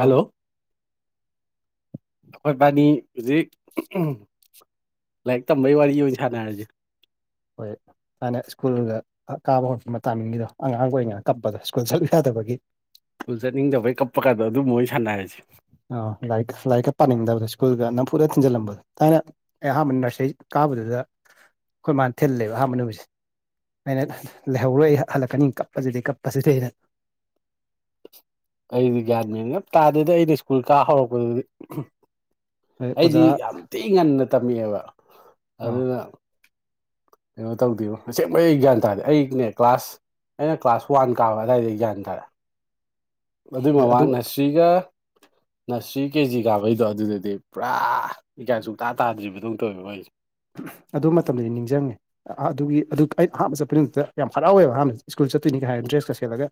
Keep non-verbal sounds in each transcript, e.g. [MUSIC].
Hello ꯑꯩꯈꯣꯏ ꯄꯅꯤ ꯍꯧꯖꯤꯛ ꯂꯥꯏꯔꯤꯛ ꯇꯝꯕꯒꯤ ꯋꯥꯔꯤ ꯑꯣꯏꯅ ꯁꯥꯟꯅꯔꯁꯦ ꯍꯣꯏ ꯍꯅ ꯁ꯭ꯀꯨꯜꯒ ꯀꯥꯕ ꯍꯧꯣꯠꯛꯄ ꯇꯥꯃꯤꯡꯉꯗꯣ ꯑꯉꯥꯡꯒ ꯑꯣꯏꯔꯤꯉꯩꯅ ꯀꯞꯄꯗ ꯀꯣꯏ ꯌꯥꯗꯕꯒꯤ ꯁꯜ ꯆꯠꯅꯤꯡꯗꯕꯩ ꯀꯞꯄ ꯀꯥꯟꯗ ꯑꯗꯨꯝ ꯃꯣꯏ ꯁꯥꯟꯅꯔꯁꯤꯦ ꯑꯣ ꯂꯥꯏꯔꯤꯛꯀ ꯂꯥꯏꯔꯤꯛꯀ ꯄꯥꯅꯤꯡꯗꯕꯗꯣ ꯁ꯭ꯀꯨꯜꯒ ꯅꯝ ꯄꯨꯨꯅ ꯊꯤꯟꯖꯜꯂꯝꯕꯗꯣ ꯊꯥꯏꯅ ꯑꯩ ꯑꯍꯥꯟꯕ ꯅꯔꯁꯔꯤ ꯀꯥꯕꯗꯨꯗ ꯑꯩꯈꯣꯏ ꯃꯥꯅ ꯊꯤꯜꯂꯦꯕ ꯑꯍꯥꯟꯕ ꯅꯨꯃꯤꯠꯁꯦ ꯑꯩꯅ ꯂꯩꯍꯧꯔꯣꯏ ꯑꯩ ꯍꯜꯂꯛꯀꯅꯤ ꯀꯞꯄꯁꯤꯗꯤ ꯀꯞꯄꯁꯤꯗꯤ ꯑꯩꯅ ꯑꯩꯗꯤ ꯒ꯭ꯌꯥꯟ ꯃꯦꯟ ꯌꯥꯝ ꯇꯥꯗꯗꯤ ꯑꯩꯅ ꯁ꯭ꯀꯨꯜ ꯀꯥ ꯍꯧꯔꯛꯄꯗꯨꯗꯤ ꯑꯣꯖꯥ ꯑꯩꯗꯤ ꯌꯥꯝ ꯊꯤ ꯉꯟꯅ ꯇꯝꯃꯛꯑꯦꯕ ꯑꯥ ꯑꯗꯨꯅ ꯀꯩꯅꯣ ꯇꯧꯗꯦꯕꯣ ꯑꯁꯦꯡꯕꯩ ꯒ꯭ꯌꯥꯟ ꯇꯥꯔꯦ ꯑꯩꯅꯦ ꯀ꯭ꯂꯥꯁ ꯑꯩꯅ ꯀ꯭ꯂꯥꯁ ꯋꯥꯟ ꯀꯥꯕ ꯑꯗꯨꯋꯥꯏꯗ ꯑꯦꯛꯖꯌꯥꯟ ꯇꯥꯔꯑꯦ ꯑꯗꯨꯏ ꯑꯗꯨ ꯃꯃꯥꯡꯅꯁꯤꯒ ꯅꯁꯔꯤ ꯀꯦꯖꯤ ꯀꯥꯕꯩꯗꯣ ꯑꯗꯨꯗꯗꯤ ꯄꯨꯔꯥ ꯏꯀꯥꯏ ꯁꯨꯡꯛꯇꯇꯥ ꯇꯥꯗ꯭ꯔꯤꯕꯗꯧ ꯇꯧꯋꯕ ꯋꯥꯔꯤꯣꯏꯁꯦ ꯑꯗꯨ ꯃꯇꯝꯗꯗꯤ ꯅꯤꯡꯁꯤꯡꯉꯦ ꯑꯗꯨꯒꯤ ꯑꯗꯨ ꯑꯩ ꯑꯍꯥꯟꯕ ꯆꯠꯄ ꯅꯨꯃꯤꯛꯇ ꯌꯥꯝ ꯍꯔꯥꯎꯋꯦꯕ ꯑꯍꯥꯟꯕꯁ ꯁ꯭ꯀꯨꯜ ꯆꯠꯇꯣꯏꯅꯤꯒ ꯍꯥꯏꯔ ꯎꯝ ꯗ꯭ꯔꯦꯁꯀ ꯁꯦꯠꯂꯒ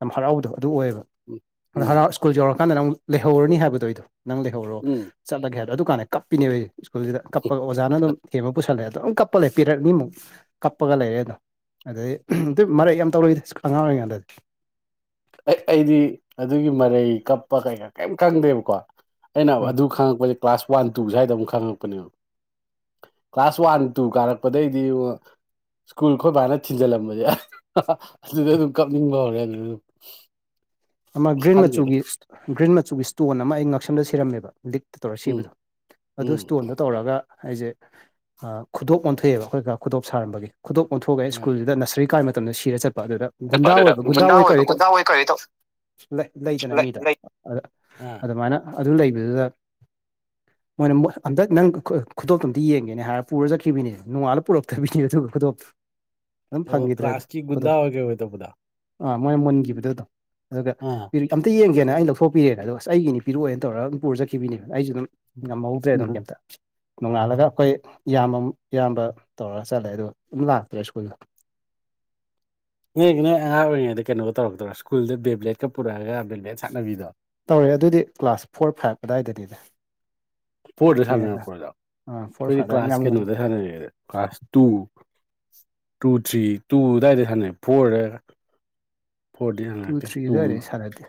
ꯌꯥꯝ ꯍꯔꯥꯎꯗꯣ ꯑꯗꯨ ꯑꯣꯏꯌꯦꯕ ꯎꯝ ꯑꯗꯣ ꯎꯝ ꯍꯔꯥꯎ ꯁ꯭ꯀꯨꯜ ꯌꯧꯔꯛ ꯀꯥꯟꯗ ꯅꯪ ꯂꯩꯍꯧꯔꯅꯤ ꯍꯥꯏꯕꯗꯣ ꯑꯩꯗꯣ ꯅꯪ ꯂꯩꯍꯧꯔꯣ ꯎꯝ ꯆꯠꯂꯒꯦꯕꯗꯣ ꯑꯗꯨ ꯀꯥꯟꯗ ꯀꯞꯄꯤꯅꯦꯕꯣꯏ ꯁ꯭ꯀꯨꯜꯁꯤꯗ ꯀꯞꯄꯒ ꯑꯣꯖꯥꯅ ꯑꯗꯨꯝ ꯊꯦꯝꯕ ꯄꯨꯁꯜꯂꯦ ꯑꯗꯣ ꯑꯗꯨꯝ ꯀꯞꯄ ꯂꯩꯦ ꯄꯤꯔꯛꯅꯤꯃꯨꯛ ꯀꯞꯄꯒ ꯂꯩꯔꯦ ꯑꯗꯣ ꯑꯗꯩ ꯑꯗꯨ ꯃꯔꯦꯛ ꯌꯥꯝ ꯇꯧꯔꯏꯗꯤ ꯈꯪꯉꯥꯡ ꯑꯣꯏꯔꯤꯀꯥꯟꯗꯗꯤ ꯑꯩ ꯑꯩꯗꯤ ꯑꯗꯨꯒꯤ ꯃꯔꯩ ꯀꯞꯄ ꯀꯩꯀꯥ ꯀꯩꯝ ꯈꯪꯗꯦꯕꯀꯣ ꯑꯩꯅ ꯎꯝ ꯑꯗꯨ ꯈꯪꯉꯛꯄꯁꯦ ꯀ꯭ꯂꯥꯁ ꯋꯥꯟ ꯇꯨ ꯁ꯭ꯋꯥꯏꯗ ꯑꯃꯨꯛ ꯈꯪꯉꯛꯄꯅꯦꯕ ꯀ꯭ꯂꯥꯁ ꯋꯥꯟ ꯇꯨ ꯀꯥꯔꯛꯄꯗꯒꯤꯩꯗꯤ ꯁ꯭ꯀꯨꯜ ꯈꯣꯣꯏꯕꯥ ꯍꯥꯏꯅ ꯊꯤꯟꯖꯜꯂꯝꯕꯁꯦ ꯑ ꯑꯗꯨꯗ ꯑꯗꯨꯝ ꯀꯞꯅꯤꯡꯕ ꯍꯧꯔꯦ ꯑꯗꯨꯝ [UNINTELLIGIBLE] ꯑꯃ ꯑꯁ ꯒ꯭ꯔꯤꯟ ꯈꯪꯗꯦꯗ ꯃꯆꯨꯒꯤ ꯒ꯭ꯔꯤꯟ ꯃꯆꯨꯒꯤ ꯏꯁꯇꯣꯟ ꯑꯃ ꯑꯩ ꯉꯛꯁꯝꯗ ꯁꯤꯔꯝꯃꯦꯕ ꯛ ꯇꯧꯔ ꯎꯝ ꯁꯤꯕꯗꯣ ꯑꯗꯨꯗ ꯎꯝ ꯁ꯭ꯇꯣꯟꯗꯣ ꯇꯧꯔꯒ ꯑꯩꯁꯦ ꯈꯨꯗꯣꯞ ꯑꯣꯟꯊꯣꯛꯑꯦꯕ ꯑꯩꯈꯣꯏꯒ ꯈꯨꯗꯣꯞ ꯁꯥꯔꯝꯕꯒꯤ ꯈꯨꯗꯣꯛ ꯑꯣꯟꯊꯣꯛꯑꯒꯦ ꯑꯥ ꯁ꯭ꯀꯨꯜꯗꯨꯗ ꯅꯁꯔꯤ ꯀꯥꯏꯕ ꯃꯇꯝꯗ ꯁꯤꯔ ꯆꯠꯄ ꯑꯗꯨꯗ ꯒꯨꯟꯗꯥ ꯑꯣꯏꯕ ꯒꯨꯗꯥꯏ ꯀꯔꯤ ꯇꯧ ꯀꯔꯤꯗꯧ ꯂꯩꯗꯅ ꯃꯤꯗꯣ ꯑꯥ ꯑꯗꯨꯃꯥꯏꯅ ꯑꯗꯨ ꯂꯩꯕꯗꯨꯗ [INAUDIBLE] ꯃꯣꯏꯅ ꯍꯟꯗꯛ ꯅꯪ ꯈꯨꯗꯣꯞꯇꯣꯝꯇ ꯌꯦꯡꯒꯦꯅꯦ ꯍꯥꯏꯔ ꯄꯨꯔ ꯆꯠꯈꯤꯕꯅꯦ ꯅꯣꯡꯉꯥꯜꯂ ꯄꯨꯔꯛꯇꯕꯤꯅꯦ ꯑꯗꯨꯒ ꯈꯨꯗꯣꯞꯇ ꯑꯣ ꯀ ꯀ꯭ꯂ꯭ꯂꯥꯁꯇꯛ ꯨꯗ ꯑꯣꯏꯒꯦ ꯄꯨꯗꯥꯥ ꯑꯥ ꯃꯣꯏ ꯃꯨꯟꯈꯤꯕꯗꯗꯣ ꯑꯗꯨꯒ ꯑꯥ ꯑꯝꯇ ꯌꯦꯡꯒꯦꯅ ꯑꯩꯅ ꯂꯧꯊꯣꯛꯄꯤꯔꯦꯅ ꯑꯗꯣ ꯑꯁ ꯑꯩꯒꯤꯅꯤ ꯄꯤꯔꯛꯑꯣꯦꯅ ꯇꯧꯔꯒ ꯑꯗꯨꯝ ꯄꯨꯔꯖꯈꯤꯕꯅꯦꯕ ꯑꯩꯁꯨ ꯑꯗꯨꯝ ꯎꯝ ꯉꯝ ꯍꯧꯗ꯭ꯔꯦ ꯑꯗꯨꯗꯪꯛꯇ ꯅꯣꯡꯉꯥꯜꯂꯒ ꯑꯩꯈꯣꯏ ꯏꯌꯥꯝꯕ ꯏꯌꯥꯝꯕ ꯇꯧꯔꯒ ꯆꯠꯂꯦ ꯑꯗꯨ ꯑꯗꯨꯝ ꯂꯥꯛꯇ꯭ꯔꯦ ꯁ꯭ꯀꯨꯜꯗꯣ ꯅ ꯅ ꯑꯉꯥꯡ ꯑꯣꯏꯔꯤꯉꯩ ꯀꯩꯅꯣ ꯇꯧꯒꯛꯇꯧꯣ ꯁ꯭ꯀꯨꯜꯗ ꯕꯦꯕ꯭ꯂꯦꯠ ꯄꯨꯔꯛꯒ ꯕꯦꯕ꯭ꯂꯦꯠꯥꯟꯅꯗꯣ ꯇꯧꯔꯦ ꯑꯗꯨꯗꯤ ꯀ꯭ꯂꯥꯁ ꯐꯣꯔ ꯐꯥꯏꯚ ꯑꯗꯨꯗꯥꯋꯥꯏꯗꯅꯤꯅꯦ ꯐꯣꯔꯗ ꯁꯥꯟꯅꯔꯛꯄ ꯑꯣꯖꯥ ꯑꯥ ꯐꯣꯔ ꯑꯩꯈꯣꯏꯗꯤ ꯐꯥꯏꯚ ꯑꯗꯥꯏ ꯉꯝ ꯀ꯭ꯂꯥꯁ ꯉꯝ ꯀꯩꯅꯣꯗ ꯁꯥꯟꯅꯔꯑꯦꯗ class two two three two ꯑꯗꯨꯋꯥꯏꯗ ꯁꯥꯟꯅꯩ ꯐꯣꯔꯗ ꯐꯣꯔꯗꯤ ꯇꯨ ꯁꯥꯟꯅꯔꯛꯇꯦ ꯊ꯭ꯔꯤꯗꯔꯦ ꯁꯥꯔꯥꯗꯤ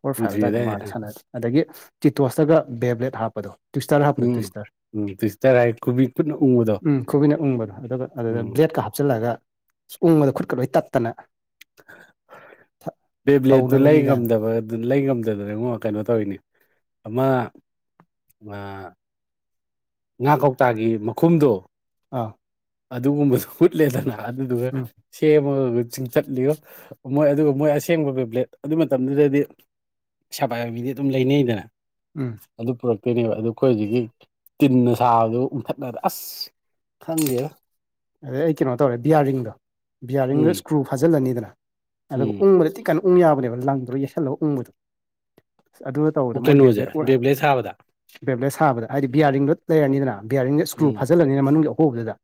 ꯐꯣꯔ ꯇꯨ ꯐꯥꯏꯚ ꯊ꯭ꯔꯤ ꯑꯗꯨꯋꯥꯏꯗꯣ ꯑꯗꯨꯋꯥꯏꯗ ꯃꯥꯗ ꯁꯥꯟꯅꯩ ꯁꯥꯟꯅꯔꯦ ꯑꯗꯒꯤ ꯆꯤꯇꯣꯁꯇꯒ ꯕꯦꯕ꯭ꯂꯦꯠ ꯍꯥꯞꯄꯗꯣ꯫ ꯇꯨꯏꯁ ꯇꯇꯥꯔ ꯍꯥꯞ꯭ꯔꯣ ꯎꯝ ꯇꯨꯏꯁꯇꯔ꯫ ꯎꯝ ꯇ꯭ꯋꯤꯁꯇꯔ ꯍꯥꯏ ꯈꯨꯕꯤ ꯈꯨꯠꯅ ꯎꯪꯕꯗꯣ ꯎꯝ ꯈꯨꯕꯤꯅ ꯎꯪꯕꯗꯣ ꯑꯗꯨꯒ ꯑꯗꯨꯗ ꯎꯝ ꯕ꯭ꯂꯦꯗꯀ ꯍꯥꯞꯆꯤꯜꯂꯒ꯫ ꯎꯕꯗ ꯈꯨꯠꯀ ꯂꯣꯏ ꯇꯠꯇꯅ꯫ ꯊ ꯕꯦꯕ꯭ꯂꯦꯠꯇꯨ ꯂꯩ ꯊꯧꯅꯕꯅꯤ ꯀꯥꯏꯅ ꯉꯝꯗꯕ ꯑꯗꯨ ꯂꯩ ꯉꯝꯗꯗꯅꯉꯣ ꯀꯩꯅꯣ ꯇꯧꯔꯤꯅꯤ ꯑꯃ ꯑꯥ ꯉꯥ ꯀꯧꯇꯥꯒꯤ ꯃꯈꯨꯝꯗꯣ꯫ ꯑꯧ꯫ ꯑꯗꯨꯒꯨꯝꯕꯗꯨꯁꯨ ꯎꯠꯂꯦꯗꯅ ꯑꯗꯨꯗꯨꯒ ꯎꯝ ꯁꯦꯝꯃꯒ ꯆꯤꯡ ꯆꯤꯡꯊꯥꯠꯂꯤꯉꯣ ꯃꯣꯏ ꯑꯗꯨ ꯑꯁꯦꯡꯕ ꯄꯦꯕ꯭ꯂꯦꯠ ꯑꯗꯨ ꯃꯇꯝꯗꯨꯗꯗꯤ꯫ ꯄꯩꯁꯥ ꯄꯥꯏꯕ ꯅꯤꯗꯤ ꯑꯗꯨꯝ ꯂꯩꯅꯩꯗꯅ꯫ ꯎꯝ꯫ ꯑꯗꯨ ꯄꯨꯔꯛꯇꯣꯏꯅꯦꯕ ꯑꯗꯨ ꯑꯩꯈꯣꯏ ꯍꯧꯖꯤꯛꯀꯤ ꯇꯤꯟꯅ ꯁꯥꯕꯗꯨ ꯎꯟꯊꯠꯅꯕꯗ ꯑꯁ꯫ ꯈꯪꯗꯦꯗ꯫ ꯑꯗꯩ ꯑꯩ ꯀꯩꯅꯣ ꯇꯧꯔꯦ ꯕꯤꯌꯥꯔꯤꯡꯗꯣ ꯕꯤꯌꯥꯔꯤꯡꯗꯣ ꯎꯝ ꯏꯁꯀ꯭ꯔꯨ ꯐꯥꯖꯤꯜꯂꯅꯤꯗꯅ ꯑꯗꯨꯒ ꯎꯝ ꯎꯪꯕꯗ ꯇꯤꯛ ꯀꯩꯅꯣ ꯎꯪ ꯌꯥꯕꯅꯦꯕ ꯂꯪꯗꯨꯔ ꯌꯦꯁꯜꯂꯒ ꯎꯪꯕꯗꯣ ꯑꯁ ꯑꯗꯨꯅ ꯑꯣ ꯇꯧꯕꯗ ꯃꯣꯏ ꯀꯩꯅꯣꯁꯦ ꯕꯦꯕ꯭ꯂꯦꯠ ꯎꯔꯛ ꯁꯥꯕꯗ ꯄꯦꯕ꯭ꯂꯦꯠ ꯁꯥꯕꯗ ꯍꯥꯏꯗꯤ ꯕꯤꯌꯥꯔꯤꯡꯗꯣ ꯂꯩꯔꯅꯤꯗꯅ ꯕꯤꯌꯥꯔꯤꯡꯗ ꯏꯁꯀ꯭ꯔꯨ ꯎꯝ ꯐꯥꯖꯤꯜꯂꯅꯤꯅ ꯃꯅꯨꯡꯒꯤ ꯑꯍꯣꯕꯗꯨꯗ꯫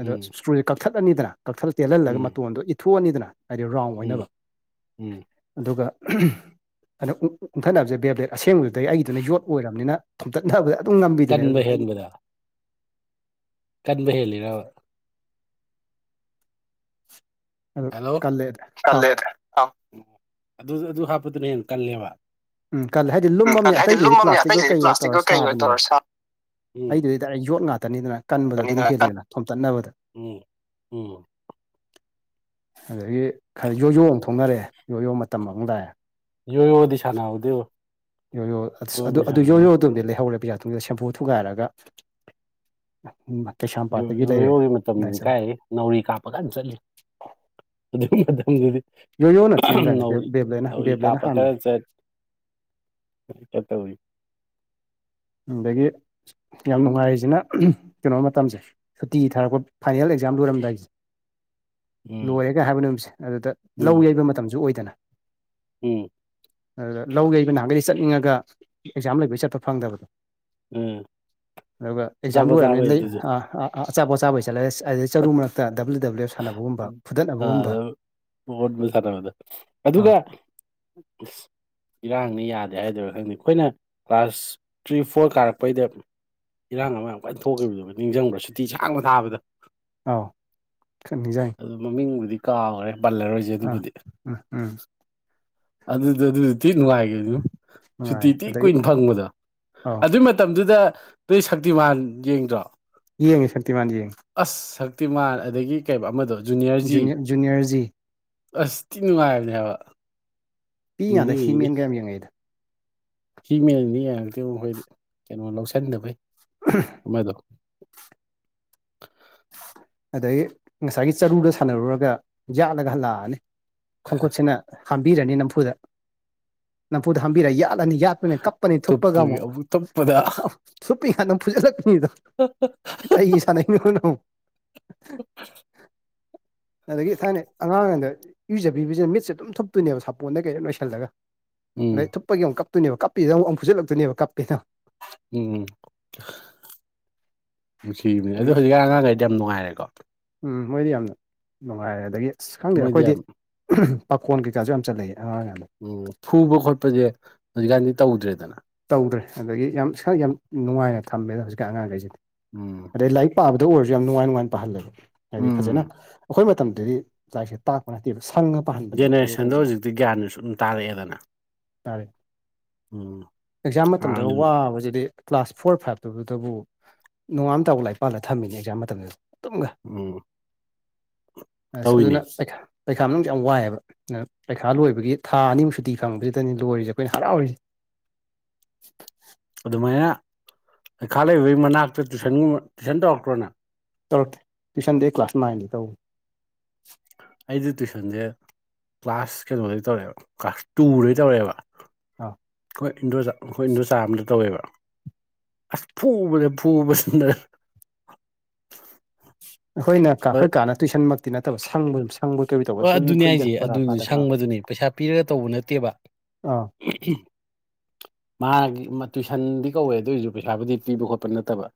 ꯑꯗꯣ ꯎꯝ ꯏꯁꯇ꯭ꯔꯨꯁꯦ ꯀꯛꯊꯠꯂꯅꯤꯗꯅ ꯀꯛꯊꯠ ꯇꯦꯜꯍꯜꯂꯒ ꯎꯝ ꯃꯇꯣꯟꯗꯣ ꯏꯊꯣꯛꯑꯅꯤꯗꯅ꯫ ꯍꯥꯏꯗꯤ ꯔꯥꯎꯟ ꯎꯝ ꯑꯣꯏꯅꯕ꯫ ꯎꯝ ꯑꯗꯨꯒ ꯑꯗ ꯎꯟꯊꯅꯕꯁꯦ ꯕꯦꯕ꯭ꯂꯦꯠ ꯑꯁꯦꯡꯕꯗꯨꯗꯩ ꯑꯩꯒꯤꯗꯨꯅ ꯌꯣꯠ ꯑꯣꯏꯔꯝꯅꯤꯅ꯫ ꯊꯣꯝꯇꯠꯅꯕꯑꯗꯨꯝ ꯉꯝꯕꯤꯗꯨꯅꯦꯕ ꯀꯟꯕ ꯑꯩꯒꯤꯗꯨꯅ ꯍꯦꯟꯕꯗ ꯑꯗꯨꯝ꯫ ꯀꯟꯕ ꯍꯦꯜꯂꯤꯔꯕ꯫ ꯑꯗꯨ ꯍꯂꯣ ꯀꯜꯂꯦ ꯑꯥꯎ ꯑꯗꯨ ꯑꯗꯨ ꯍꯥꯞꯄꯗꯨꯅ ꯍꯦꯟꯅ ꯀꯜꯂꯦꯕ꯫ ꯎꯝ ꯈꯜꯂ ꯍꯥꯏꯗꯤ ꯂꯨꯝ ꯎꯝ ꯑ ꯀꯜꯂꯦ ꯍꯥꯏꯗꯤ ꯑꯇꯩꯗꯨꯗꯤ ꯂꯨꯝꯃꯝꯅꯦ ꯄ꯭ꯂꯥꯁꯇꯤꯛ ꯑꯣꯏꯣꯏ ꯑꯇꯩꯗꯗꯤ ꯀꯩꯒ ꯇꯧꯔ ꯄ꯭ꯂꯥꯁꯇꯤꯛꯀ ꯀꯩ ꯑꯣꯏ ꯁꯥꯕꯅꯤꯅ꯫ ꯇꯧꯔ ꯁꯥꯕꯅꯤꯗꯅ ꯑꯩꯗꯨꯗꯤ ꯗꯥꯏꯔꯦꯠ ꯌꯣꯠ ꯉꯥꯛꯇꯅꯤꯗꯅ ꯀꯟꯕꯗꯣ ꯑꯗꯨꯅ ꯀꯟ ꯍꯦꯜꯂꯤꯗꯅ ꯊꯣꯝꯆꯠꯅꯕꯗ꯫ ꯎꯝ ꯎꯝ ꯑꯗꯒꯤ ꯈꯔ ꯌꯣꯌꯣ ꯑꯃ ꯊꯣꯛꯅꯔꯛꯑꯦ ꯌꯣꯌꯣ ꯃꯇꯝ ꯑꯃꯃꯨꯛ ꯂꯥꯛ ꯑꯦ꯫ ꯌꯣ ꯌꯣ ꯗꯤꯁꯥꯅ ꯍꯧꯗꯦꯕꯣ꯫ ꯌꯣꯌꯣ ꯑꯗꯨ ꯌꯣꯌꯣ ꯑꯗꯨꯝꯗꯤ ꯂꯩꯍꯧꯔꯦ ꯄꯩꯁꯥ ꯇꯨꯡꯖꯟꯂꯒ ꯁꯦꯝꯐꯨ ꯊꯨꯒꯥꯏꯔꯒ꯫ ꯎꯝ ꯀꯩꯁꯥꯝꯄꯥꯠꯇꯒꯤ ꯂꯩꯔꯦ ꯌꯣꯌꯣꯒꯤ ꯑꯗꯨꯗꯥꯥꯏ ꯃꯇꯝꯗꯨꯗꯤ ꯆꯠꯂ꯫ ꯀꯥꯏꯗꯒꯤ ꯅꯥꯎꯔꯤ ꯀꯥꯞꯄꯀꯥꯟ ꯆꯠꯂꯤ ꯑꯗꯨꯒꯤ ꯃꯇꯝꯗꯨꯗꯤ꯫ ꯌꯣꯌꯣꯅ ꯊꯦꯡꯗꯥꯏꯅꯦ ꯕꯦ ꯅꯧꯔꯤ ꯕꯦꯕ꯭ꯂꯦꯠꯅ ꯅꯧꯔꯤ ꯕꯦꯕ꯭ꯂꯦꯠꯅ ꯀꯥꯄ ꯀꯔ ꯍꯥꯟꯕꯅꯦ ꯆꯠ ꯀꯥꯟ ꯇꯧꯔꯤ꯫ ꯑꯗꯒꯤ꯫ ꯌꯥꯝ ꯅꯨꯡꯉꯥꯏꯔꯤꯁꯤꯅ ꯀꯩꯅꯣ ꯃꯇꯝꯁꯦ ꯁꯨꯇꯤ ꯊꯥꯔꯛꯄ ꯐꯥꯏꯅꯦꯜ ꯑꯦꯛꯖꯥꯝ ꯂꯣꯏꯔꯝꯗꯥꯏꯒꯤꯁꯦ꯫ ꯎꯝ ꯂꯣꯏꯔꯦꯒ ꯍꯥꯏꯕ ꯅꯨꯃꯤꯠꯁꯦ ꯑꯗꯨꯗ ꯎꯝ ꯂꯧ ꯌꯩꯕ ꯃꯇꯝꯁꯨ ꯑꯣꯏꯗꯅ꯫ ꯎꯝ꯫ ꯑꯗꯨꯗ ꯂꯧ ꯌꯩꯕ ꯅꯍꯥꯟꯒꯩꯗꯤ ꯆꯠꯅꯤꯡꯉꯒ ꯑꯦꯛꯖꯥꯝ ꯂꯩꯕꯩ ꯆꯠꯄ ꯐꯪꯗꯕꯗꯣ꯫ ꯎꯝ꯫ ꯑꯗꯨꯒ ꯑꯦꯛꯖꯥꯝꯄ ꯑꯆꯥꯄꯣꯠ ꯑꯣꯏꯔꯕꯅꯤꯅ ꯆꯥꯕꯩ ꯂꯩ ꯑꯗꯨꯁꯨ ꯑꯥ ꯑꯥ ꯑꯆꯥꯄꯣꯠꯆꯥꯕꯩ ꯆꯠꯂꯦ ꯑꯗꯩ ꯆꯔꯨ ꯃꯔꯛꯇ ꯗꯕ꯭ꯂꯤꯌꯨ ꯗꯕ꯭ꯂꯤꯌꯨ ꯁꯥꯟꯅꯕꯒꯨꯝꯕ꯫ ꯐꯨꯗꯠꯅꯕꯒꯨꯝꯕ [UNINTELLIGIBLE] ꯑꯗꯨꯒ ꯑꯥꯎ ꯏꯔꯥꯡꯅꯤ ꯌꯥꯗꯦ ꯍꯥꯏꯗꯣꯏꯔ ꯈꯪꯗꯦ ꯑꯩꯈꯣꯏꯅ ꯀ꯭ꯂꯥꯁ ꯊ꯭ꯔꯤ ꯐꯣꯔ ꯀꯥꯔꯛꯄꯩꯗ ꯏꯔꯥꯡ ꯑꯃ ꯌꯥꯝ ꯀꯥꯏꯅ ꯊꯣꯛꯈꯤꯕꯗꯨꯕ ꯅꯤꯡꯁꯤꯡꯕ꯭ꯔꯥ ꯁꯨꯇꯤ ꯁꯥꯡꯕ ꯊꯥꯕꯗꯨ꯫ ꯑꯥꯎ ꯈꯔ ꯅꯤꯡꯖꯪꯉꯦ꯫ ꯑꯗꯨ ꯃꯃꯤꯡꯕꯨꯗꯤ ꯀꯥꯈ꯭ꯔꯦ ꯄꯜꯂꯔꯣꯏꯁꯤ ꯑꯥ ꯎꯝ ꯎꯝ꯫ ꯑꯗꯨꯗꯨ ꯑꯗꯨꯁꯨ ꯊꯤꯟ ꯅꯨꯡꯉꯥꯏꯒꯤꯕꯅꯤꯉꯣ꯫ ꯁꯨꯇꯤ ꯅꯨꯡꯉꯥꯏ ꯊꯤꯟ ꯑꯗꯒꯤ ꯀꯨꯏꯅ ꯐꯪꯕꯗꯣ ꯑꯥꯎ ꯑꯗꯨꯏ ꯃꯇꯝꯗꯨꯗ ꯅꯣꯏ ꯁꯛꯇꯤꯃꯥꯟ ꯌꯦꯡꯗ꯭ꯔꯣ꯫ ꯌꯦꯡꯉꯤ ꯁꯛꯇꯤꯃꯥꯟ ꯌꯦꯡꯉꯤ꯫ ꯑꯁ ꯁꯛꯇꯤꯃꯥꯟ ꯑꯗꯒꯤ ꯀꯩ ꯑꯃꯗꯣ ꯖꯨꯅꯤꯌꯔꯖꯤ꯫ ꯖꯨꯅꯤꯌꯔ ꯖꯨꯅꯤꯌꯔꯖꯤ ꯑꯁ ꯊꯤ ꯅꯨꯡꯉꯥꯏꯕꯅꯦ ꯍꯥꯏꯕ ꯄꯤꯛꯏꯉꯥꯟꯗ ꯍꯤꯃꯦꯟꯒ ꯌꯥꯝ ꯌꯦꯡꯉꯛꯏꯗ ꯍꯤ ꯃꯦꯟꯅꯤ ꯌꯥꯔꯛꯇꯦ ꯑꯩꯈꯣꯏꯗꯤ ꯀꯩꯅꯣ ꯂꯧꯁꯤꯟꯗꯕꯩ ꯑꯃꯗꯣ ꯑꯗꯩ ꯉꯁꯥꯏꯒꯤ ꯆꯔꯨꯗ ꯁꯥꯟꯅꯔꯨꯔꯒ ꯌꯥꯠꯂꯒ ꯍꯂꯛꯑꯅꯤ ꯈꯣꯡꯈꯨꯠꯁꯤꯅ ꯍꯥꯝꯕꯤꯔꯅꯤ ꯅꯝꯐꯨꯗ ꯅꯝꯐꯨꯗ ꯍꯥꯝꯕꯤꯔ ꯌꯥꯠ ꯍꯥꯠꯂꯅꯤ ꯌꯥꯠꯄꯅꯤ ꯀꯞꯄꯅꯤ ꯊꯨꯞꯄꯒ ꯇꯨꯞꯄꯒꯤ ꯑꯃꯨꯛ ꯇꯨꯞꯄꯗ ꯊꯨꯞꯄꯤ ꯀꯥꯟꯗ ꯑꯃꯛ ꯐꯨꯖꯜꯂꯛꯄꯅꯤꯗꯣ ꯍ ꯍ ꯑꯩꯒꯤ ꯁꯥꯟꯅꯩꯅꯣꯅ ꯑ [UNINTELLIGIBLE] ꯑꯗꯒꯤ ꯊꯥꯏꯅꯩ ꯑꯉꯥꯡ ꯑꯣꯏꯉꯩꯗ ꯏꯔꯨꯖꯕꯤꯕꯁꯤꯅ ꯃꯤꯠꯁꯦ ꯑꯗꯨꯝ ꯊꯨꯞꯇꯣꯏꯅꯦꯕ ꯁꯥꯄꯣꯟꯗꯩ ꯀꯩꯗꯩ ꯅꯣꯏꯁꯜꯂꯒ ꯑꯗꯩ ꯎꯝ ꯊꯨꯞꯄꯒꯤ ꯑꯃꯨꯛ ꯀꯞꯇꯣꯏꯅꯦꯕ ꯀꯞꯄꯤꯖꯤꯗ ꯑꯃꯨꯛ ꯐꯨꯜꯖꯜꯂꯛꯇꯣꯏꯅꯦꯕ ꯀꯞꯄꯦꯅ ꯎꯝ ꯅꯨꯡꯁꯤꯕꯅꯦ ꯑꯗꯨ ꯍꯧꯖꯤꯛꯀꯥꯟ ꯑꯉꯥꯡꯈꯩꯗꯤ ꯌꯥꯝ ꯅꯨꯡꯉꯥꯏꯔꯦꯀꯣ ꯎꯝ ꯃꯣꯏꯗꯤ ꯌꯥꯝꯅ ꯅꯨꯡꯉꯥꯏꯔꯦ ꯑꯗꯒꯤ ꯑꯁ ꯈꯪꯗꯦꯗ ꯃꯣꯏꯗꯤ ꯑꯩꯈꯣꯏꯗꯤ ꯌꯥꯝ ꯄꯥꯈꯣꯟ ꯀꯩꯀꯥꯁꯨ ꯌꯥꯝ ꯆꯠꯂꯛꯑꯦ ꯑꯉꯥꯡ ꯑꯣꯏꯔꯤꯉꯩꯗꯥ ꯎꯝ ꯐꯨꯕ ꯈꯣꯠꯄꯖꯦ ꯍꯧꯖꯤꯛꯀꯥꯟꯗꯤ ꯇꯧꯗ꯭ꯔꯦꯗꯅ ꯇꯧꯗ꯭ꯔꯦ ꯑꯗꯒꯤ ꯌꯥꯝ ꯏꯁꯥ ꯌꯥꯝ ꯅꯨꯡꯉꯥꯏꯅ ꯊꯝꯃꯦꯗ ꯍꯧꯖꯤꯛꯀꯥꯟ ꯑꯉꯥꯡꯉꯩꯖꯤꯗꯤ ꯎꯝ ꯑꯗꯩ ꯂꯥꯏꯔꯤꯛ ꯄꯥꯕꯗ ꯑꯣꯏꯔꯖꯨ ꯌꯥꯝ ꯅꯨꯡꯉꯥꯏ ꯅꯨꯡꯉꯥꯏꯅ ꯄꯥꯍꯜꯂꯦꯕ ꯍꯥꯏꯗꯤ ꯐꯖꯅ ꯎꯝ ꯑꯩꯈꯣꯏ ꯃꯇꯝꯗꯗꯤ ꯂꯥꯏꯔꯤꯛꯁꯦ ꯇꯥꯛꯄ ꯅꯠꯇꯦꯕ ꯁꯪꯉ ꯄꯥꯍꯟꯕꯅꯦꯕ ꯑꯩꯈꯣꯏꯅ ꯖꯦꯅꯦꯔꯦꯁꯟꯗꯣ ꯇꯧꯔꯤꯁꯤꯅ ꯍꯧꯖꯤꯛꯇꯤ ꯒ꯭ꯌꯥꯟꯗꯣ ꯁꯨꯝ ꯇꯥꯔꯛꯑꯦꯗꯅ ꯇꯔꯦ ꯎꯝ ꯑꯦꯛꯖꯥꯝ ꯃꯇꯝꯗꯒ ꯍꯥꯟꯅ ꯋꯥꯕꯖꯤꯗꯤ ꯀ꯭ꯂꯥꯁ ꯐꯣꯔ ꯐꯥꯏꯕꯇꯗꯨꯇꯕꯨ ꯅꯣꯡꯉꯥꯝ ꯇꯥꯎ ꯂꯥꯛꯏ ꯄꯥꯜꯂ ꯊꯝꯃꯤꯅꯦ ꯑꯦꯛꯖꯥꯝ ꯃꯇꯝꯗ ꯑꯗꯨꯝꯒ ꯎꯝ ꯑꯁ ꯇꯧꯋꯤꯅꯦ ꯑꯗꯨꯅ ꯄꯩꯈꯥ ꯄꯩꯈꯥ ꯃꯅꯨꯡꯖꯦ ꯌꯥꯝ ꯋꯥꯏꯑꯦꯕ ꯄꯩꯈꯥ ꯂꯣꯏꯕꯒꯤ ꯊꯥ ꯑꯅꯤꯃꯨꯛ ꯁꯨꯇꯤ ꯐꯪꯕꯖꯤꯗꯅꯤ ꯂꯣꯏꯔꯤꯁꯦ ꯑꯩꯈꯣꯏꯅ ꯍꯔꯥꯎꯔꯤꯁꯦ [UNINTELLIGIBLE] ꯑꯗꯨꯃꯥꯏꯅ ꯂꯩꯈꯥ ꯂꯩꯕꯒꯤ ꯃꯅꯥꯛꯇ ꯇꯨꯏꯁꯟꯒꯨꯝꯕ ꯇꯨꯏꯁꯟ ꯇꯧꯔꯛꯇ꯭ꯔꯣꯅꯪ ꯇꯧꯔꯛꯇꯦ ꯇꯋꯨꯁꯟꯗꯤ ꯑꯩ ꯀ꯭ꯂꯥꯁ ꯅꯥꯏꯟꯗ ꯇꯧ ꯑꯩꯗꯤ ꯇꯨꯏꯁꯟꯁꯦ ꯀ꯭ꯂꯥꯁ ꯀꯩꯅꯣꯗꯩ ꯇꯧꯔꯛꯑꯦꯕ ꯀ꯭ꯂꯥꯁ ꯇꯨꯗꯩ ꯇꯧꯔꯛꯑꯦꯕ ꯑꯥ ꯑꯩꯈꯣꯏ ꯏꯟꯗꯣꯆꯥ ꯑꯩꯈꯣꯏ ꯏꯟꯗꯣꯆꯥ ꯑꯃꯗ ꯇꯧꯋꯦꯕ ꯑꯁ ꯐꯨꯕꯗ ꯐꯨꯕꯁꯤꯗ ꯑꯩꯈꯣꯏꯅ ꯀꯥ ꯑꯩꯈꯣꯏ ꯀꯥꯅ ꯇꯨꯏꯁꯟꯃꯛꯇꯤ ꯅꯠꯇꯕ ꯁꯪꯕ ꯁꯪꯕꯣꯏ ꯀꯩꯕꯣꯏ ꯇꯧꯕ ꯑꯣ ꯁꯨꯝ ꯑꯗꯨꯅꯦ ꯐꯨꯏꯗ ꯍꯥꯏꯖꯦ ꯄꯔꯥ ꯑꯗꯨꯅꯤ ꯐꯥꯗꯕ ꯑꯥ ꯁꯪꯕꯗꯨꯅꯤ ꯄꯩꯁꯥ ꯄꯤꯔꯒ ꯇꯧꯕ ꯅꯠꯇꯦꯕ ꯑꯥ ꯃꯥꯒꯤ ꯃꯥ ꯇꯨꯏꯁꯟꯗꯤ ꯀꯧꯋꯦ ꯑꯗꯨ ꯑꯣꯏꯁꯨ ꯄꯩꯁꯥꯕꯨꯗꯤ ꯄꯤꯕ ꯈꯣꯠꯄ ꯅꯠꯇꯕ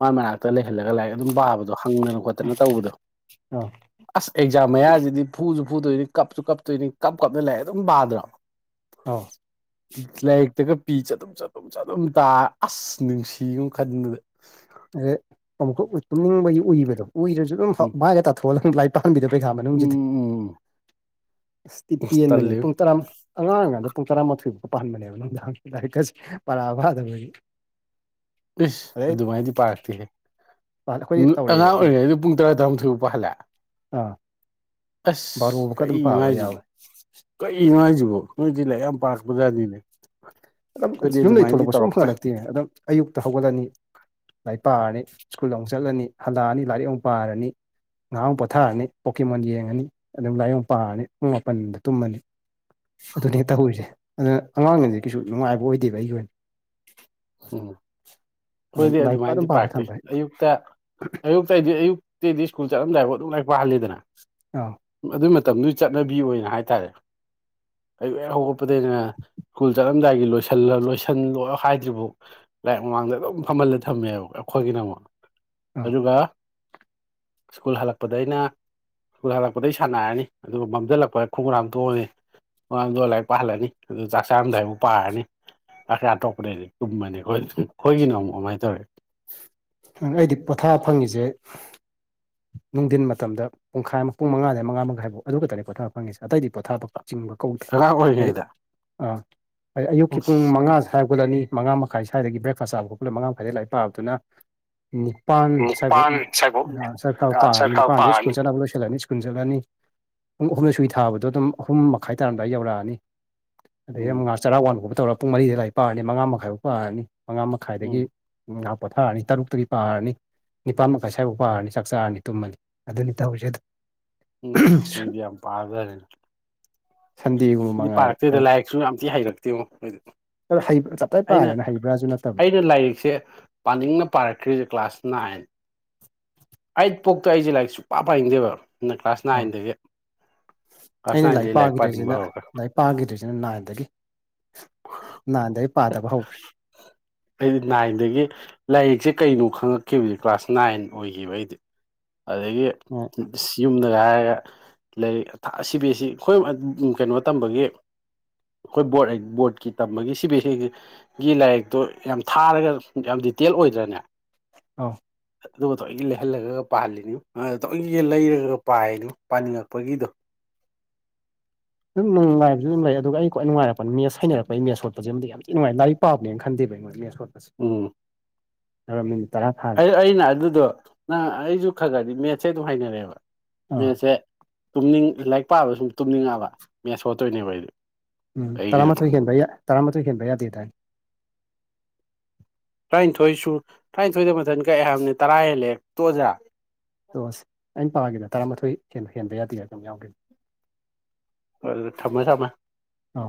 ꯃꯥꯏ ꯃꯅꯥꯛꯇ ꯂꯩꯍꯜꯂꯒ ꯂꯥꯏꯔꯤꯛ ꯑꯗꯨꯝ ꯄꯥꯕꯗꯣ ꯗꯣ ꯍꯪꯗꯅ ꯈꯣꯠꯇꯅ ꯇꯧꯕꯗꯣ ꯑꯥ ꯑꯁ ꯑꯦꯛꯖꯥꯝ ꯃꯌꯥꯖꯤꯗꯤ ꯐꯨꯖꯨ ꯐꯨꯗꯣꯏꯅꯤ ꯀꯞꯁꯨ ꯀꯞꯇꯣꯏꯅꯤ ꯀꯞ ꯀꯞꯅ ꯂꯩꯑꯦ ꯑꯗꯨꯝ ꯄꯥꯗ꯭ꯔꯣ ꯑꯥꯎ ꯂꯥꯏꯔꯤꯛꯇꯒ ꯄꯤ ꯆꯥꯗꯨꯝ ꯆꯥꯗꯨꯝ ꯆꯥꯗꯨꯝ ꯇꯥꯔ ꯑꯁ ꯅꯨꯡꯁꯤꯒꯨꯝ ꯈꯟꯕꯗ ꯑꯗꯩ ꯑꯃꯨꯛꯀ ꯇꯨꯝꯅꯤꯡꯕꯒꯤ ꯎꯏꯕꯗꯣ ꯎꯏꯔꯖꯨ ꯑꯗꯨꯝ ꯎꯝ ꯃꯥꯏꯒ ꯇꯥꯊꯣꯛꯍꯜꯑꯒ ꯂꯥꯏ ꯍꯕꯤꯗꯕ ꯄꯩꯈꯥ ꯃꯅꯨꯡꯖꯤꯗꯤ ꯎꯝ ꯎꯝ ꯑꯁꯇꯤ ꯑꯁ ꯄꯦꯟꯕꯅꯦ ꯇꯜꯂꯤꯕꯣ ꯄꯨꯡ ꯇꯔꯥ ꯑꯉꯥꯡꯑꯣꯏꯉꯥꯟꯗ ꯄꯨꯡ ꯇꯔꯥꯃꯥꯊꯣꯏꯃꯨꯛꯀ ꯄꯥꯍꯟꯕꯅꯦꯕ ꯅꯨꯡꯗꯥꯡ ꯂꯥꯏꯔꯤꯛꯀꯁꯦ ꯄꯔꯥ ꯐꯥꯗꯕꯒꯤ ꯏꯁ ꯑꯗꯩ ꯑꯗꯨꯃꯥꯏꯗꯤ ꯄꯥꯔꯛꯇꯦꯍꯦ ꯑꯩꯈꯣꯏꯗꯤ ꯑꯉꯥꯡ ꯇꯧꯔꯛꯑꯦꯕ ꯑꯗꯨꯅ ꯑꯣꯏꯔꯤꯉꯩꯗ ꯄꯨꯡ ꯇꯔꯥ ꯇꯔꯥꯃꯊꯣꯏ ꯕꯨꯛ ꯄꯥꯍꯜꯂꯦ ꯑꯥ ꯑꯁ ꯕꯥꯔꯣꯕꯨꯛꯀ ꯑꯗꯨꯝ ꯀꯩꯒꯤꯅꯣ ꯄꯥꯕ ꯍꯥꯏꯁꯤꯕꯣ ꯌꯥꯎꯋꯦ ꯀꯅꯣ ꯍꯥꯏꯁꯤꯕꯣ ꯅꯣꯏꯗꯤ ꯂꯥꯏꯛ ꯌꯥꯝ ꯄꯥꯔꯛꯄꯖꯥꯠꯅꯤꯅꯦ ꯑꯗꯨꯝ ꯑꯩꯈꯣꯏꯗꯤ ꯌꯨꯝꯗꯩ ꯑꯗꯨꯃꯥꯏꯅꯗꯤ ꯊꯣꯂꯛꯄꯁꯨ ꯑꯃ ꯇꯧꯔꯛꯇ꯭ꯔꯦ ꯐꯪꯉꯜꯂꯛꯇꯦ ꯑꯗꯨꯝ ꯑꯌꯨꯛꯇ ꯍꯧꯒꯠꯂꯅꯤ ꯂꯥꯏꯔꯤꯛ ꯄꯥꯔꯅꯤ ꯁ꯭ꯀꯨꯜ ꯑꯃꯨꯛ ꯆꯠꯂꯅꯤ ꯍꯜꯂꯛꯑꯅꯤ ꯂꯥꯏꯔꯤꯛ ꯑꯃꯨꯛ ꯄꯥꯔꯅꯤ ꯉꯥꯏꯍꯥꯡ ꯑꯃꯨꯛ ꯄꯣꯊꯥꯔꯅꯤ ꯄꯣꯛꯀꯤꯃꯣꯟ ꯌꯦꯡꯉꯅꯤ ꯑꯗꯨꯝ ꯂꯥꯏꯔꯤꯛ ꯃꯨꯛ ꯄꯥꯔꯅꯤ ꯄꯨꯡ ꯃꯥꯄꯟꯗ ꯇꯨꯝꯃꯅꯤ ꯑꯗꯨꯅꯦ ꯇꯧꯔꯤꯁꯦ ꯑꯗꯨꯅ ꯑꯉꯥꯡꯑꯣꯏꯉꯩꯗꯗꯤ ꯀꯩꯁꯨ ꯅꯨꯡꯉꯥꯏꯕ ꯑꯣꯏꯗꯦꯕ ꯑꯩꯒꯤ ꯑꯣꯏꯅ ꯎꯝ ꯑꯗꯨꯝ ꯍꯣꯏꯗꯤ ꯂꯥꯏꯔꯤꯛ ꯑꯗꯨꯝ ꯑꯗꯨꯃꯥꯏꯅꯗꯤ ꯄꯥꯔ ꯄꯥꯛꯇꯦ ꯊꯝꯕ ꯑꯌꯨꯛꯇꯌ ꯑꯇꯩꯗꯤ ꯑꯌꯨꯛꯇꯇꯩꯗꯤ ꯁꯀꯜ ꯆꯠꯂꯝꯗꯥꯏꯕꯣ ꯑꯗꯨ ꯂꯥꯏ ꯄꯍꯜꯂꯤꯗꯅ ꯑ ꯑꯗꯨꯒꯤ ꯃꯇꯝꯗꯨꯒꯤ ꯆꯠꯅꯕꯤ ꯑꯣꯏꯅ ꯍꯥꯏꯇꯥꯔꯦ ꯀꯩꯨꯛ ꯍꯦꯛ ꯍꯧꯒꯠꯄꯗꯒꯤꯩꯅ ꯁ꯭ꯀꯨꯜ ꯆꯠꯂꯝꯗꯥꯏꯒꯤ ꯂ ꯂꯣꯏꯁꯤꯜꯂꯣ ꯍꯥꯏꯗ꯭ꯔꯤꯕꯣ ꯂꯥꯏꯔꯤꯛ ꯃꯃꯥꯡꯗ ꯑꯗꯨꯝ ꯐꯝꯍꯜꯂ ꯊꯝꯃꯦꯕ ꯑꯩꯈꯣꯏꯒꯤꯗꯃꯛ ꯑꯥ ꯑꯗꯨꯒ ꯁ꯭ꯀꯨꯜ ꯍꯜꯂꯛꯄꯗ ꯑꯩꯅ ꯁꯨꯜ ꯍꯜꯂꯛꯄꯗꯩ ꯁꯥꯟꯅꯔꯅꯤ ꯑꯗꯨꯒ ꯃꯝꯁꯤꯜꯂꯛꯄꯗ ꯈꯣꯡꯒ꯭ꯔꯥꯝ ꯇꯣꯛꯑꯅꯤ ꯃꯥꯡꯗꯣ ꯂꯥꯏꯔꯤꯛ ꯄꯥꯍꯜꯂꯅꯤ ꯑꯗꯨ ꯆꯥꯛ ꯆꯥꯔꯝꯗꯥꯏꯕꯨ ꯄꯥꯔꯅꯤ ꯆꯥꯛ ꯑ ꯇꯣꯛꯄꯗꯗꯤ ꯀꯨꯝꯕꯅꯦ ꯍꯣꯏꯈꯣꯏꯒꯤꯅꯣ ꯑꯃꯨꯛ ꯀꯃꯥꯏꯅ ꯇꯧꯋꯦ ꯑꯩꯗꯤ ꯄꯣꯊꯥ ꯐꯪꯉꯤꯁꯦ ꯅꯨꯡꯊꯤꯟ ꯃꯇꯝꯗ ꯄꯨꯡꯈꯥꯏ ꯄꯨꯡ ꯃꯉꯥꯗ ꯃꯉꯥ ꯃꯈꯥꯏꯐꯥꯎ ꯑꯗꯨ ꯈꯛꯇ ꯄꯣꯊꯥꯕ ꯐꯪꯉꯤꯁꯦ ꯑꯇꯩꯗꯤ ꯄꯣꯊꯥꯕꯛ ꯆꯤꯡꯕ ꯀꯧꯗꯦ ꯑꯉꯥꯡ ꯍꯥꯏꯗꯤ ꯑꯣꯏꯔꯤꯉꯩꯗ ꯑꯥ ꯍꯥꯏꯗꯤ ꯑꯌꯨꯛꯀꯤ ꯄꯨꯡ ꯃꯉꯥꯁꯦ ꯍꯥꯏꯒꯠꯂꯅꯤ ꯃꯉꯥ ꯃꯈꯥꯏ꯭ꯋꯥꯏꯗꯒꯤ ꯕ꯭ꯔꯦꯛꯐꯥꯁ ꯆꯕ ꯈꯣꯠꯄ ꯃꯉꯥ ꯃꯈꯥꯏꯗ ꯂꯥꯏ ꯄꯥꯕꯗꯨꯅ ꯅꯤꯄꯥꯟ ꯁꯥꯏꯐꯥꯎ ꯅꯤꯄꯥꯟ ꯁ꯭ꯋꯥꯏꯕꯧ ꯁ ꯈꯕ ꯄꯥꯔꯅꯤ ꯁꯔꯀꯥꯔ ꯅꯤꯄꯥꯟꯗ ꯄꯥꯔꯅꯤ ꯁ꯭ꯀꯨꯜ ꯆꯠꯂꯅꯕ ꯂꯣꯏꯁꯤꯜꯂꯅꯤ ꯁ꯭ꯀꯨꯜ ꯆꯠꯂꯅꯤ ꯄꯨꯡ ꯑꯍꯨꯝꯗ ꯁꯨꯏ ꯊꯥꯕꯗꯣ ꯑꯗꯨꯝ ꯑꯍꯨꯝ ꯃꯈꯥꯏ ꯇꯥꯔꯝꯗꯥꯏ ꯌꯧꯔꯛꯑꯅꯤ ꯑꯗꯗꯒꯤ ꯎꯝ ꯑꯃꯨꯛ ꯆꯔꯥꯛ ꯋꯥꯟꯒꯨꯝꯕ ꯇꯧꯔ ꯄꯨꯡ ꯃꯔꯤꯗ ꯂꯥꯏꯔꯤ ꯄꯥꯔꯅꯤ ꯃꯉꯥ ꯃꯈꯥꯏꯐꯥꯎ ꯄꯥꯔꯅꯤ ꯃꯉꯥ ꯃꯈꯥꯏꯗꯒꯤ ꯎꯝ ꯎꯝꯥꯎ ꯄꯊ ꯑꯅꯤ ꯇꯔꯨ ꯇꯒꯤ ꯄꯥꯔꯅꯤ ꯅꯤꯄꯥ ꯃꯈꯥꯏ ꯁ꯭ꯋꯥꯏꯐꯥꯎ ꯄꯥꯔꯅꯤ ꯆꯥꯛ ꯆꯥꯔꯅꯤ ꯇꯨꯝꯃꯅꯤ ꯑꯗꯨꯅꯤ ꯇꯧꯔꯤꯁꯦ ꯑꯗꯨ ꯎꯝ ꯁꯤꯗꯤ ꯌꯥꯝ ꯄꯥꯖꯔ ꯆꯟꯗꯤꯤꯒꯨ ꯑꯗꯨꯗꯤ ꯄꯥꯔꯛꯇꯣꯏꯗ ꯂꯥꯏꯔꯤꯛꯁꯨ ꯌꯥꯝ ꯊꯤ ꯍꯩꯔꯛꯇꯦꯕ ꯃꯣꯏ ꯍꯩꯕ ꯇꯞꯇꯥꯏ ꯑꯩꯅ ꯄꯥꯔꯦꯅ ꯍꯩꯕ꯭ꯔꯥꯁꯨ ꯅꯠꯇꯕ ꯑꯩꯅ ꯂꯥꯏꯔꯤꯛꯁꯦ ꯄꯥꯅꯤꯡꯅ ꯄꯥꯔꯛꯈ꯭ꯔꯤꯁꯦ ꯀ꯭ꯂꯥꯁ ꯅꯥꯏꯟ ꯑꯩ ꯄꯣꯛꯇ ꯑꯩꯁꯦ ꯂꯥꯏꯔꯤꯛꯁꯨꯨꯡꯛ ꯄ ꯄꯥꯏꯅꯤꯡꯗꯦꯕ ꯑ ꯅꯥꯏꯟꯗꯒꯤ ꯀ꯭ꯂꯥꯁ ꯑꯩꯅ ꯂꯥꯏꯔꯤꯛ ꯅꯥꯏꯟꯗꯒꯤ ꯄꯥꯅꯤꯡꯕ ꯄꯥꯈꯤꯗ꯭ꯔꯤꯁꯤꯅ ꯍꯧꯔꯛꯈ꯭ꯔꯦ ꯂꯥꯏꯔꯤꯛ ꯄꯥꯈꯤꯗ꯭ꯔꯤꯁꯤꯅ ꯂꯥꯏꯏꯗꯒꯤ ꯅꯥꯗ ꯑꯩ ꯄꯥꯗꯕ ꯍꯧꯈ꯭ꯔꯦ ꯑꯩꯗꯤ ꯅꯥꯏꯟꯗꯒꯤ ꯂꯥꯏꯔꯤꯛꯁꯦ ꯀꯩꯅꯣ ꯈꯪꯉꯛꯈꯤꯕꯅꯤ ꯀ꯭ꯂꯥꯁ ꯅꯥꯏꯟ ꯑꯣꯏ ꯀꯈꯤꯕꯩꯗꯤ ꯑꯗꯒꯤ ꯎ ꯌꯨꯝꯗꯒ ꯍꯥꯏꯔꯒ ꯂꯥꯏꯔꯤꯛ ꯑꯁꯤꯕꯤ ꯑꯁꯤ ꯑꯩꯈꯣꯏ ꯀꯩꯅꯣ ꯇꯝꯕꯒꯤ ꯑꯩꯈꯣꯏ ꯕꯣꯔꯠ ꯕꯣꯔꯠꯀꯤ ꯇꯝꯃꯒꯤ ꯁꯤꯕ ꯍꯦ ꯒꯤ ꯂꯥꯏꯔꯤꯛꯇꯨ ꯌꯥꯝ ꯊꯥꯔꯒ ꯌꯥꯝ ꯗꯤꯇꯦꯜ ꯑꯣꯏꯗ꯭ꯔꯅꯦ ꯑꯥꯎ ꯑꯗꯨ ꯇꯣꯏꯒꯤ ꯂꯩꯍꯜꯂꯒ ꯄꯥꯍꯜꯂꯤꯅꯤ ꯇꯒꯤ ꯂꯩꯔꯒ ꯄꯥꯏꯅꯤ ꯄꯥꯅꯤꯡꯉꯛꯄꯒꯤꯗꯣ ꯑꯗꯨꯝꯅꯨꯡꯉꯥꯏꯕꯁꯨ ꯑꯗꯨ ꯂꯩ ꯑꯗꯨꯒ ꯑꯩ꯭ꯋꯥꯏꯅꯨꯡꯉꯥꯏꯔꯛꯄ ꯃꯦꯠ ꯍꯥꯏꯩꯅꯔꯛꯄ ꯑꯩꯦꯠꯣꯠꯄꯁ ꯑꯝ ꯌꯥꯝꯤꯅ ꯉꯥꯏꯛ ꯄꯕꯅꯦꯅ ꯈꯟꯦꯕ ꯎꯝ [UNINTELLIGIBLE] ꯑꯩ ꯑꯩꯅ ꯑꯗꯨꯗꯣ ꯅꯪ ꯑꯩꯁꯨ ꯈꯔ ꯈꯔꯗꯤ ꯃꯦꯠꯁꯁꯦ ꯑꯗꯨꯝ ꯍꯥꯏꯅꯔꯦꯕ ꯑꯥ ꯃꯦꯠꯁꯦ ꯇꯨꯝꯅꯤꯡ ꯂꯥꯏꯔꯤꯛ ꯄꯥꯕ ꯁꯨꯝ ꯇꯨꯝꯅꯤꯡꯉꯛꯑꯕ ꯃꯦꯁ ꯍꯣꯠꯇꯣꯏꯅꯦꯕ ꯑꯩꯗꯤ ꯎꯝ ꯑꯩꯒꯤꯅꯣ ꯇꯔꯥꯊꯣꯏ ꯍꯦꯟꯕ ꯌꯥꯏ ꯇꯔꯥꯃꯥꯊꯣꯏ ꯍꯦꯟꯕ ꯌꯥꯗꯦꯗꯥꯏ ꯇꯔꯥꯅꯤꯊꯣꯏꯁꯨ ꯇꯔꯥꯅꯤꯊꯣꯏꯗ ꯃꯊꯟ ꯀ ꯍꯥꯏꯕꯅꯤ ꯇꯔꯥ ꯍꯦꯜꯂꯦ ꯇꯣ ꯑꯣꯖꯥ ꯇꯣꯁ ꯑꯩꯅ ꯄꯥꯒꯤꯗ ꯇꯔꯥꯃꯥꯊꯣꯏ ꯍꯦꯟꯕ ꯍꯦꯟꯕ ꯌꯥꯗꯦ ꯑꯗꯨꯝ ꯌꯥꯎꯒꯦ ꯊꯝꯃꯃꯦ ꯊꯝꯃꯃꯦ ꯑꯥ